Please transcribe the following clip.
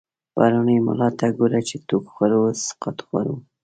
پرونی ملا ته گوره، چی ټوک خورو سقاط خورو